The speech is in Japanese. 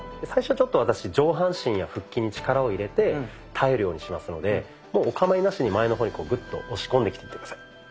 最初ちょっと私上半身や腹筋に力を入れて耐えるようにしますのでもうおかまいなしに前の方にグッと押し込んできて下さい。